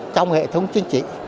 trong hệ thống chính trị